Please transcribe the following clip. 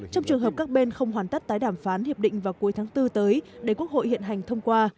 trong trường hợp các bên không hoàn tất tái đàm phán hiệp định vào cuối tháng bốn tới để quốc hội hiện hành thông qua